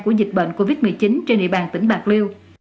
của dịch bệnh covid một mươi chín trên địa bàn tỉnh bạc liêu